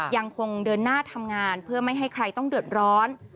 ยังคงเดินหน้าทำงานเพื่อไม่ให้ใครต้องเดือดร้อน